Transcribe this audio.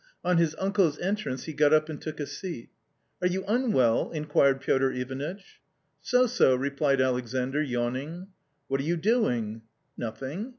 On his uncle's entrance he got up and took a seat. " Are you unwell ?" inquired Piotr Ivanitch. " So, so/' replied Alexandr, yawning. " What are you doing ?"" Nothing."